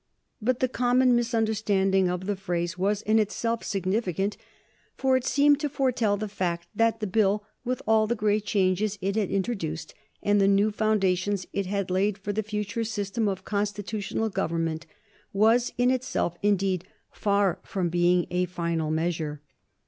But the common misunderstanding of the phrase was in itself significant, for it seemed to foretell the fact that the Bill, with all the great changes it had introduced and the new foundations it had laid for the future system of constitutional government, was in itself indeed far from being a final measure.